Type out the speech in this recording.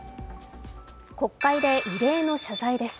国会で異例の謝罪です。